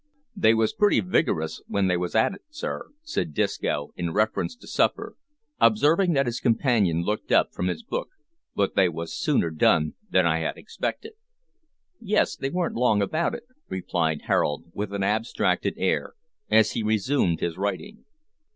"They was pretty vigorous w'en they wos at it, sir," said Disco, in reference to supper, observing that his companion looked up from his book, "but they wos sooner done than I had expected." "Yes, they weren't long about it," replied Harold, with an abstracted air, as he resumed his writing.